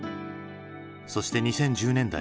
そして２０１０年代。